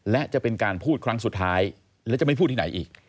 และจะเป็นการพูดครั้งสุดท้ายและจะไม่พูดที่ไหนอีก